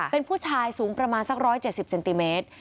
เป็นผู้ชายสูงประมาณสัก๑๗๐เซนติเมตร